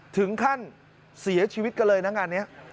ถึงขั้นเสียชีวิตกันเลยนะงานนี้